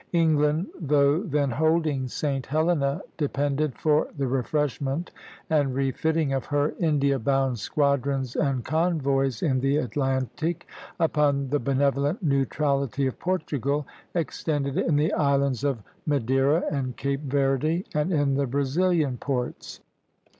England, though then holding St. Helena, depended, for the refreshment and refitting of her India bound squadrons and convoys in the Atlantic, upon the benevolent neutrality of Portugal, extended in the islands of Madeira and Cape Verde and in the Brazilian ports.